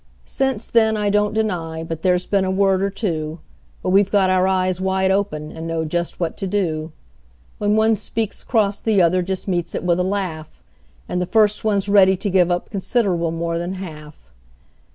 Since then I don't deny but there's been a word or two; But we've got our eyes wide open, and know just what to do: When one speaks cross the other just meets it with a laugh, And the first one's ready to give up considerable more than half.